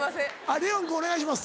レオン君お願いします。